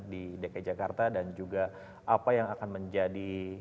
di dki jakarta dan juga apa yang akan menjadi